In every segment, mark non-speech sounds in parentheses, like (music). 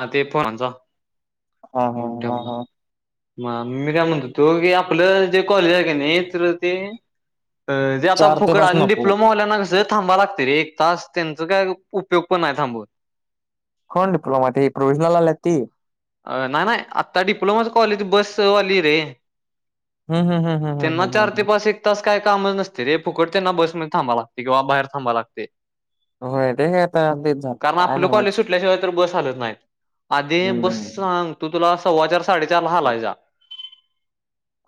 ह ते पोरांचा हा हा म्हणून हा ठेवला हा म मी त्या म्हणत तो की आपलं जे कॉलेज आहे का नाही, तर ते जे आता चार ते फुकट पाच आणि नको. डिप्लोमा वाल्यांना कसं. थांबा लागत रे एक तास, त्यांचा काय उपयोग पण नाही थांबून. कोण डीप्लोमा ते प्रोविजनल आल्यात ते? नाही नाही, आता डिप्लोमाच कॉलेज बस वाली रे. हम्म हम्म, हम्म हम्म, हम्म हम्म हम्म. त काय कामच नसते रे, फुकट त्यांनासमध्ये थांबावा लागते किंवा बाहेर थांबावा लागते. होय ते काय आता तेच झालं कारण काय आपलं कॉलेज नव्हच. सुटल्याशिवाय तर बस हलत नाहीत. आधी बस हम्म सांगतो तुला सव्वा चार साडेचार हलायचा.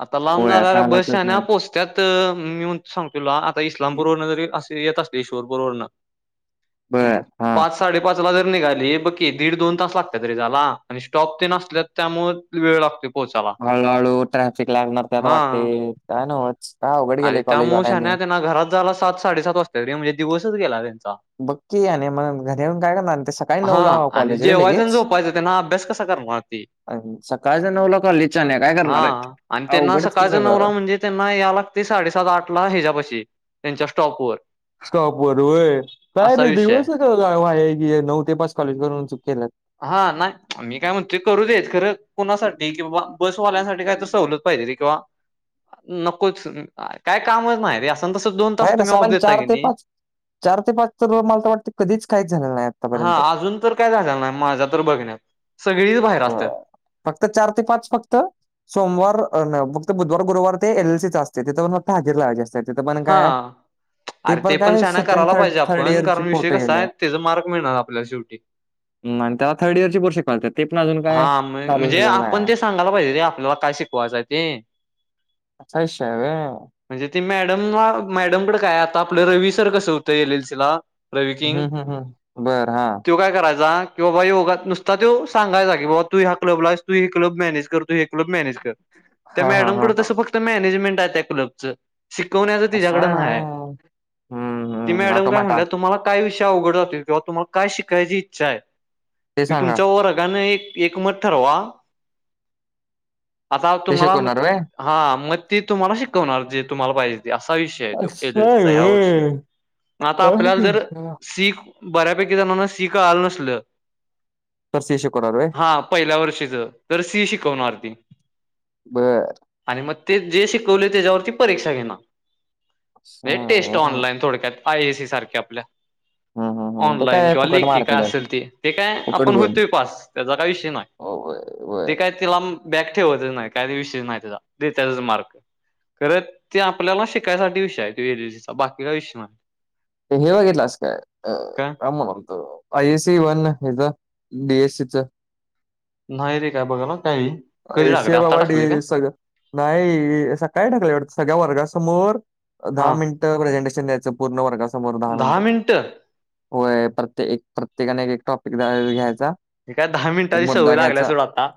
आता लांब होय आता जाणाऱ्या बस हालतच शहाण्या नाहीत. पोस त्यात मी म्हण सांग तुला आता इस्लामपूर वरून जरी असे येत असली, ईश्वरपूर वरून. बरं पाच साडेपाच ला जरी निघाली बघकी दीड दोन तास लागते तरी झाला. आणि स्टॉप ते असल्या त्यामुळे वेळ लागते. हळू हळू, ट्राफिक लागण्यान आपल्याला हा वाटतंय काय नव्हच. काय अवघड अरे गेले त्या मुळशान कॉलेजवाल्यांनी. त्यांना घरात झाला सात साडेसात वाजता तरी म्हणजे दिवसच गेला त्यांचा बक्की या आणि मग घरी येऊन करणार ते सकाळी नऊ लावा रे लगे करायचं अन झोपायच, त्यांना अभ्यास कस सा करणार ते? सकाळच्या नऊला कॉलेज शहाण्या काय हा करणार आहेत? आणि त्यांना अवघडच कि सकाळचा सगळं. नवरा म्हणजे त्यांना या लागते साडेसात आठ ला ह्याच्यापशी त्यांच्या स्टॉपवर. स्टॉप वर वय कायर असा र विषय आहे दिवस क नऊ ते पाच कॉलेज करून चुक केल्यात. हा नाही मी काय म्हणतोय करूदेत खरं कुणासाठी कि बाबा बसवाल्यांसाठी काहीत सवलत पाहिजे किंवा नकोच. काय कामच नाही रे अस नाही ना कसपण चार ते पाच चार ते पाच तर मला तर वाटते कधीच काहीच झाले नाही हा आत्तापर्यंत. अजून तर काय झाल नाही माझ्या तर बघण्यात सगळीच बाहेर असतात. फक्त चार ते पाच फक्त सोमवार आणि फक्त बुधवार गुरुवार ते एलसीच असते तेथं पण फक्त हजे लावाय असते. तिथं पण हा काय अरे ते पण काय शान्या सेकंड करायला थर्ड पाहिजे थर्ड आपण इयरचे कारण विषय फोटो कसा गेले आहे त्याचा मार्क मिळणार आपल्याला शेवटी. आणि त्या थर्ड इयरचे पर्सेे पाळत (unintelligible) हा म्हणजे आपण ते सांगायला पाहिजे रे आपल्याला काय शिकवायचं ते. असा विषय हाय होय. म्हणजे ती मॅडमला मॅडमकडे काय आता आपलं रवी सर कसं होतं येलेलसिला रवी किंग हम्म हम्म हम्म बर हा तो काय करायचा कि बाबा योगात नुसता तो सांगायचा क बाबा तू ह क्लबला आहेस तू हे क्लब मॅनेज कर तू हे क्लब मॅनेज कर. त्या हा हा मॅडम हा कड हा तस फक्त मॅनेजमेंट आहे त्या क्लबचं. शिकवण्याचं असं तिच्याकडन नाही आहे व्हय. हम्म ती हम्म मॅडम काय ऑटोमॅटा म्हणल्या तुम्हाला काय विषय अवघड जातोय किंवा तुम्हाला काय शिकायची इच्छा आहे ते ती सांगा तुमच्या वर्गाने एक एकमत ठरवा आता ते तुम्हाला शिकवणार व्हय हा मग ते तुम्हाला शिकवणार जे तुम्हाला पाहिजे असा विषय आहे तो एलर्जीचा यावर्षी आता आपल्याला जर शी बऱ्यापैकी जणांना सी कळाल नसलं तर सी शिकवणार होय? हा पहिल्या वर्षीच तर सी शिकवणार ती बर आणि मग ते जे शिकवले त्याच्यावरती परीक्षा घेणार हा, म्हणजे टेस्ट हा, ऑनलाईन थोडक्यात. आय एसी सारख्या आपल्या. हा, हा, हा. ते ऑनलाईन काय किंवा फुकट लेखी काय मार्केट आहे असेल ती ते काय फुकट आपण होतोय पास त्याचा काय विषय नाही. (unintelligible) ते वय. काय तिला बॅक ठेवतच नाही काही विषय नाही त्याचा ते त्याचाच मार्क. खरं ते आपल्याला शिकायसाठी विषय आहे तो एलर्जी बाकी काय विषय नाय. ते हे बघितलास काय काय म्हणत होतो आय एससी वन हेच डीएससीच. नाही रे काय बघा ना काही कधी एस टाकले आता बाबा डी टाकले काय एस (unintelligible) नाही असं काय टाकलं वाट सगळ्या वर्गासमोर दहा हा मिनिटं प्रेझेंटेशन द्यायचं पुर्ण वर्गासमोर दहा मिनिट. अठ (unintelligible) होय प्रत्ये प्रत्येकाने एक एक टॉपिक घ्यायचा. हे काय दहा एक मिनटांची सवय लागल्या सोड आता.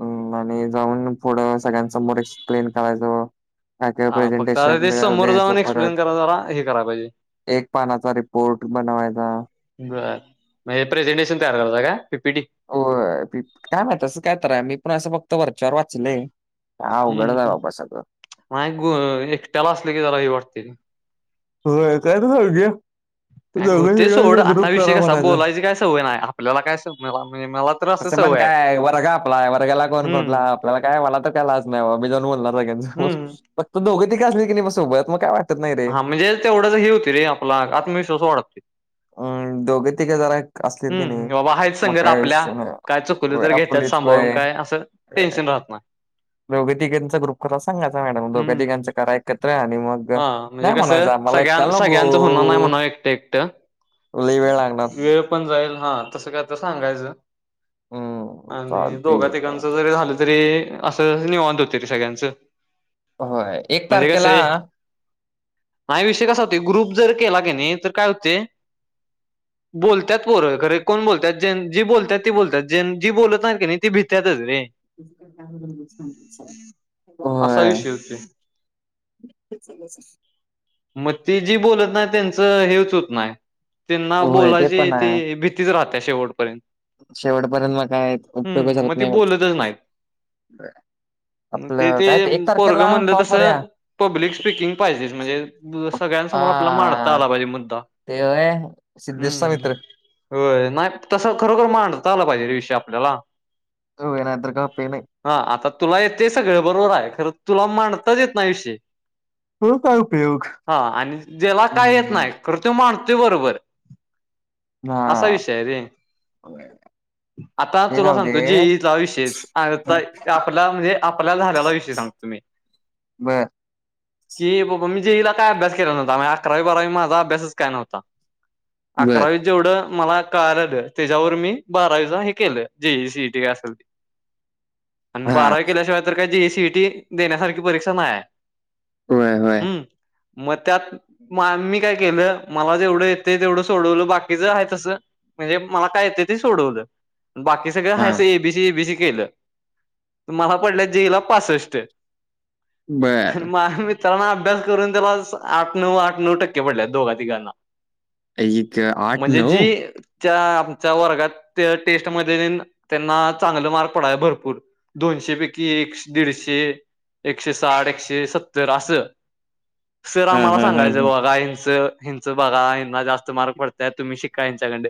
ह आणि जाऊन पुढे सगळ्यांसमोर एक्सप्लेन करायचं. काय काय हा फक्त आता प्रेझेंटेशन ते मिळाल समोर द्यायचं जाऊन एक्सप्लेन परत करा जरा हे कराय पाहिजे एक पानाचा रिपोर्ट बनवायचा. बरं म्हणजे प्रेझेंटेशन तयार झालता काय पिपीटी. होय (unintelligible) का मा तसं काय तर मी पण असं फक्त वरच्यावर वाचलंय. काय आवघड च हाय बाबा सगळं. म (unintelligible) ग एकट्याला असले की हे वाटते होय काय (unintelligible) गेम. काय होते सोड आता विषय कसा म्हणायचा. बोलायची काय सवय नाही आपल्याला सपनला म्हणजे. (unintelligible) तसं पण आहे काय वर्ग आपला आहे वर्गाला कोण कोटला हम्म आपल्याला काय मला तर काय लाज नाही मी जाऊन बोलणार. हम्म (unintelligible) फक्त दोघे तिघ काय असली की नाही मग सोबत मग काय वाट हा म्हणजे तेवढंच हे होती रे आपला आत्मविश्वास वाढते. अम दोघे तिघं जरा असले की हम्म नाही बाबा आहेच म संगत काय आपल्या शी (unintelligible) काय चुकलं होय तर घेतात आपलीच स्कूल सांभाळून हे. काय असं टेन्शन (unintelligible) राहत नाही दोघं तिघांचा ग्रुप करा सांगायचा मॅडम दोघं हम्म तिघांचा करा एकत्र आणि मग हा म्हणजे नाही कसं म्हणायचं आम्हाला सगळ्यां एकट्याला सगळ्यांचं होना नाही नको म्हणा एकटं एकटं लई वेळ लागणार वेळ पण जाईल हा तसं कायतर सांगायच हम्म आणि चालतंय दोघं की तिघांचं जरी झालं तरी असं निवांत होते ते सगळ्यांचं. हो एक तारखेला आय विषय कसा होते ग्रुप जर केला क नाही तर काय होते बोल त्यात पोरं खरे कोण बोलतात जेन जी बोलतात ते बोलतात जेन जी बोलत नाही का ती भित्यातच रे. असा होय. विषय होते (unintelligible) म ती जी बोलत नाही त्यांचं हेच होत नाही त्यांना होय ते बोलायची पण ते आहे भीतीच राहत्या शेवटपर्यंत. शेवटपर्यंत म काय उपयोग हम्म जमत ती नाही मग. बोलतच नाहीत ते आपलं ते काय एक पोरगा तारखेला म्हणलं फॉर्म भरूया तसं पब्लिक स्पीकिंग पाहिजेच म्हणजे तुझा सगळ्यांसमोर आपला मांडता हा आला पाहिजे मुद्दा. ते व्हय सिद्धेशचा मित्र. व्हय नाही तसं खरोखर मांडता आला पाहिजे रे विषय आपल्याला. होय नाहीतर का पेन हे. हा आता तुला येते सगळं बरोबर आहे खरं तुला मांडताच येत नाय विषय. हो काय उपयोग हा आणि ज्याला काय येत हम्म नाही खरं तो मांडतोय बरोबर असा विषय हा. आहे रे. आता ते तुला जाऊ दे सांगतो जेईचा विषयच आता आपला म्हणजे आपला झाल्याला विषय सांगतो मी. ह बर जेई बाबा मी जेईला काय अभ्यास केला नव्हता माया अकरावी बारावी माझा अभ्यासच काय नव्हता. बर अकरावीत जेवढं मला कळाल्याला त्याच्यावर मी बारावीचा हे केलं जे जे सी ई टी काय असेल. ह आणि हा बारा केल्याशिवाय तर काय जे ई सी ए टी देण्यासारखी परीक्षा नाही आहे. होय होय. हम्म म त्यात मी काय केलं मला जेवढं येते तेवढं सोडवलं बाकीचा आहे तसं म्हणजे मला काय येते ते सोडवलं बाकी सगळं हा हाय से B C A B C केला तर मला पडला जे ई ला पासष्ट. बर आणि माझं मित त्याला ना अभ्यास करून त्याला असं आठ नऊ आठ नऊ टक्के पडलेत दोघा तिघांना. अईये त्या म्हणजे जी या आमच्या वर्गात ते टेस्ट मधेतीन त्यांना चांगलं मार्क पडाय भरपूर दोनशे पैकी एक शे दीडशे एकशे साठ एकशे सत्तर असं. सर हा आम्हाला हा हा सांगायचं ह बघा ह्यांचं हिंचं बघा ह्यांना जास्त मार्क पडत्याल तुम्ही शिक काहीच्याकंडे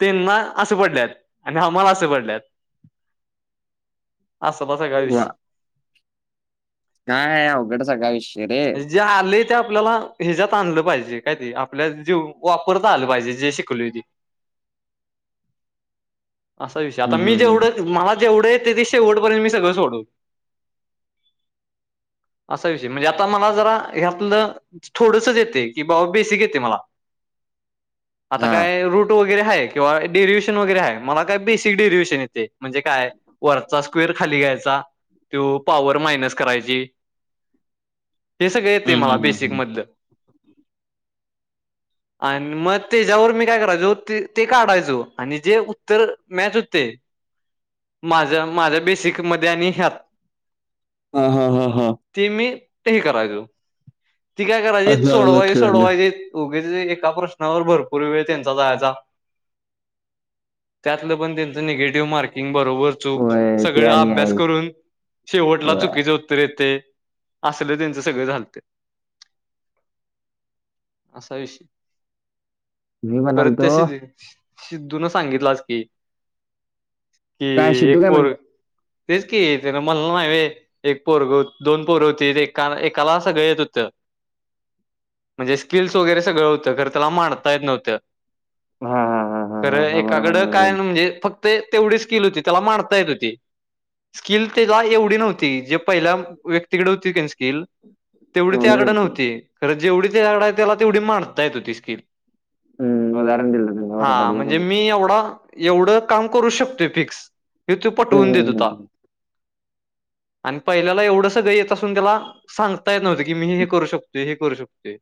त्यांना असं पडल्यातआणि आम्हाला असं पडल्यात. असं बगागा विषय. नाय आहे अवघड सगळा विषय रे. जे आलय ते आपल्याला ह्याच्या्यात आणलं पाहिजे काय ते आपल्या जीऊ वापरता आलं पाहिजे जे शिकलोय ते. असा विषय आता हम्म मी हम्म हम्म जेवढे मला जेवढे ते ते शेवट पर्यंत मी सगळं सोडवतो. असा विषय म्हणजे आता मला जरा ह्यातलं थोडसच येते की बाबा बेसिक येते मला. आता हा काय रूट व वगैरे आहे किवा डेरिएशन वगैरे आहे मला काय बेसिक डेरिएशन येते म्हणजे काय वरचा स्क्वेर खाली घ्यायचा त्यो पॉवर मायनस करायची. हे सगळं येत हम्म मला हम्म हम्म बेसिक हम्म मधलं. आणि मग त्याच्यावर मी करायचो ते ते काढायचो आणि जे उत्तर मॅच होत माझ्या माझ्या बेसिक मध्ये आणि ह्यात हा हा हा हा ते मी हे करायचो. ती काय करायची आलं आलं सोडवायचे लक्षात आलं सोडवायचे उगचच एका प्रश्नावर भरपूर वेळ त्यांचा जायचा. त्यातलं पण त्यांचं निगेटिव्ह मार्किंग बरोबर चूक होय ते सगळ आणि अभ्यास आहे करून शेवटला होय चुकीचे उत्तर येते. असल त्यांचं सगळ झालत असा विषय. मी परत म्हणालतो (unintelligible) सिद्धून सांगितलं आज की कि काय सिद्धू एक काय पोर म्हणलं तेच कि तेनं म्हणल नाही वय एक पोरग होत दोन पोर होती एका एकाला सगळं येत होत म्हणजे स्किल्स वगैरे सगळं होतं खर त्याला मांडता येत नव्हत्या. हा. हा हा हा हा खरं हा बरोबर एकाकडं काय बरोबर म्हणजे फक्त तेवढीच स्किल होती त्याला मांडता येत होती. स्किल त्याला एवढी नव्हती जे पहिल्या व्यक्तीकडे होती कनी स्किल तेवढी ते एवढे त्माकडं नव्हते. नव्हती खरं जेवढी त्याच्याकड आहे त्याला तेवढी मांडता येत होती स्किल. हम्म उदाहरण दिलं तुम्ही हा वर्गात बरोबर म्हणजे मी एवढा एवढं काम करू शकतोय फिक्स हे तू हम्म पटवून देत हम्म होता. हम्म आणि पहिल्याला एवढं सगळं येत असून त्याला सांगता येत नव्हतं की मी हे करू शकतोय हे करू शकतो.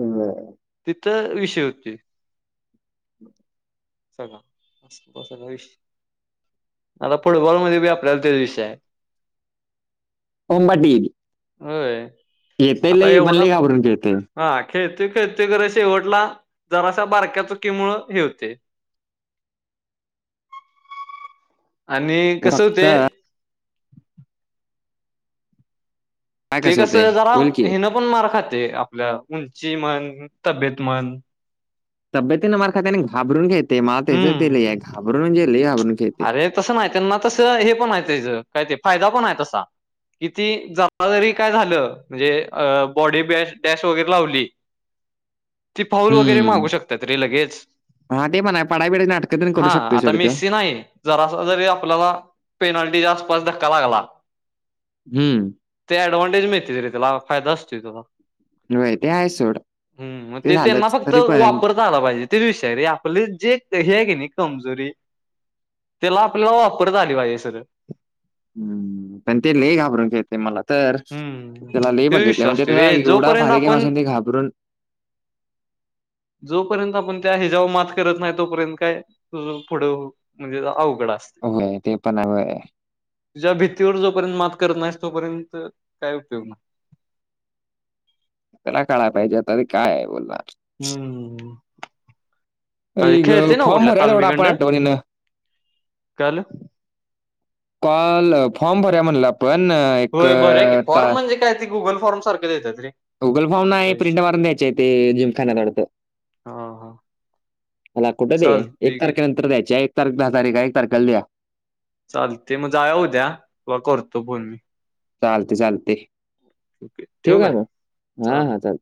बर. तिथ विषय होती हम (unintelligible) (inaudible) सगळा सगळ वि (unintelligible) आता फुटबॉलमध्ये बी आपल्याला तेच विषय हाय. उंबट इली (unintelligible) होय. येते आता लयी पण एवढा लयी घाबरून खेळतय. हा खेळत खेळते खर शेवटला जराशा बारक्याच चुकिमुळ हे होतय आणि कसं फक्त होतय काय ते होतंय? कसं जरा बोल की. हेन पण मार खातय आपल्या उंची मण तब्येत मण तब्यतीनें म खात्याने घाबरून घेते मला तेच तेले हम्म घाबरून गे घाबरून घेते (unintelligible) अरे तसं नाही त्यांना तसं हे पण आहे काय ते फायदा पण आहे तसा. कि ती जरा जरी काय झालं म्हणजे अ बॉडी बॅश डॅश वगैरे लावली ती फाऊल वगैरे मागू शकतात रे लगेच. हा ते म्हणाय पडई बिडई नायी हा आता मेस्सी नाही जरासा जरी आपल्याला पेनल्टीच्या आसपास धक्का लागला हम्म. ते ऍडवांटेज मिळते तरी त्याला फायदा असतोय त्याला. होय, ते आहे सोड. हम्म मग ते त्यांना झालंच. फक्त तरी पण वापरता आला पाहिजे ते विषय आहे रे आपले जे ते आहे की नाही कमजोरी त्याला आपल्याला वापरता आली पाहिजे सरळ. हम्म पण ते लेई घाबरून खेळतोय मला तर हम्म त्याला लेई ते बघितले आहे विषय म्हणजे असतो रे त्याला एवढा जोपर्यंत फारके आपण असं ते घाबरून (inaudible) जोपर्यंत आपण त्या हिजावर मात करत नाही तोपर्यंत काय तुझं पुढे हो म्हणजे अवघड अस होय ते पण आहे वय. तुझ्या भीतीवर जोपर्यंत मात करत नाहीच तोपर्यंत काय उपयोग नाय. त्याला कळाय पाहिजे आता रे काय बोलला. हम्म. अरे आई गं! खेळते ना फॉर्म उडल्या भरूया तेवढा तालमीगंड आपण आठवणीनं. काय हालं? काल फॉर्म भरया म्हणला आपण. हो एक बर आहे की अ, ता फॉर्म म्हणजे काय ते गुगल फॉर्म सारखे देतात रे. गुगल फॉर्म नाही असा आहे प्रिंट विषय मून द्यायचे आहे ते जिमखान्यातवडतं. हा हा मला कुठं दे एक चालते की तारखेनंतर द्यायच्या आहे एक तारख दहा तारख एक तारखेला द्या. चाल ते मग जाया उद्या वा करतो फोन मी. चालते चालते ओके ठीक ठेवू आहे काय मग हा चाल हा चालते.